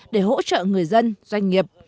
để hỗ trợ người dân doanh nghiệp